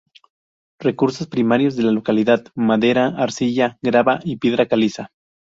Recursos primarios de la localidad; madera, arcilla, grava y piedra caliza.